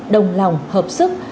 đồng lòng hợp sức